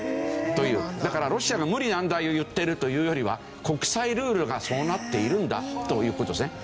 だからロシアが無理難題を言ってるというよりは国際ルールがそうなっているんだという事ですね。